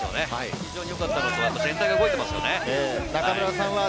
非常によかったのと、全体が動いていますよね。